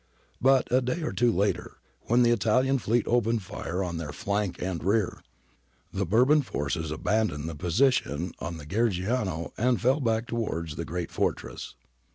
But a day or two later, when the Italian fleet opened fire on their flank and rear, the Bourbon forces abandoned the position on the Garigliano and fell back towards the great fortress.